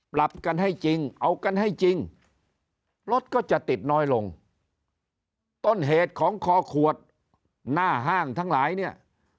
ปรับกันให้จริงเอากันให้จริงรถก็จะติดน้อยลงต้นเหตุของคอขวดหน้าห้างทั้งหลายเนี่ย